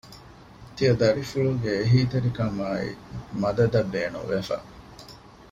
ތިޔަދަރިފުޅުގެ އެހީތެރިކަމާއި މަދަދަށް ބޭނުންވެފަ